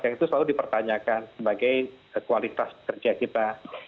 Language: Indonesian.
yang itu selalu dipertanyakan sebagai kualitas kerja kita